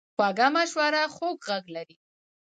خوږه مشوره خوږ غږ لري.